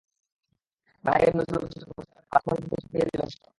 বাংলা একাডেমির নজরুল মঞ্চে যখন বর্ষাকথনের পালা, তখনই মেঘদূত পাঠিয়ে দিল বর্ষার বারতা।